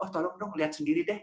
tolong lihat sendiri deh